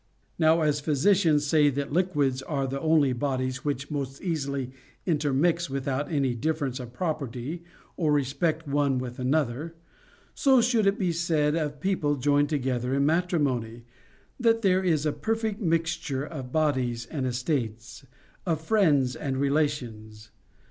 Now, as physicians say that liquids are the only bodies which most easily intermix without any differ ence of propriety or respect one with another ; so should it be said of people joined together in matrimony, that there is a perfect mixture of bodies and estates, of friends and relations.